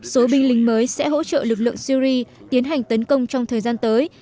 số binh lính mới sẽ hỗ trợ lực lượng syri tiến hành tấn công trong thời gian tới